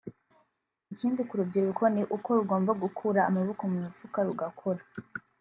Ikindi ku rubyiruko ni uko rugomba gukura amaboko mu mifuka rugakora